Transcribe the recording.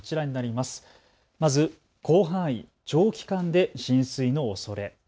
まず広範囲・長期間で浸水のおそれ。